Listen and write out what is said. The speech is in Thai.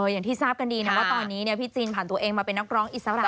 อย่างที่ทราบกันดีนะว่าตอนนี้พี่จีนผ่านตัวเองมาเป็นนักร้องอิสระ